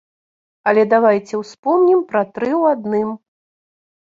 Але давайце ўспомнім пра тры ў адным.